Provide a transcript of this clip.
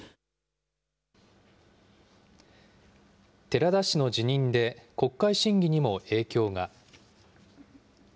寺田氏の辞任で国会審議にも影響が。